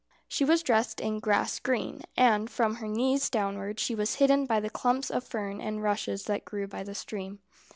She was dressed in grass green, and from her knees downwards she was hidden by the clumps of fern and rushes that grew by the stream.